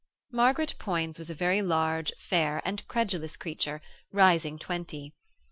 Margaret Poins was a very large, fair, and credulous creature, rising twenty.